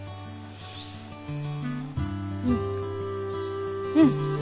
うんうん！